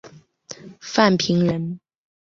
范平人。